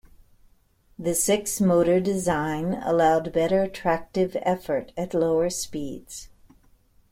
The six-motor design allowed better tractive effort at lower speeds.